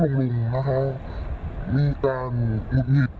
มีอารมณ์ขึ้นขึ้นลงมีการหนุ่มหยิด